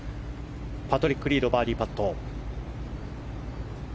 パトリック・リードバーディーパット。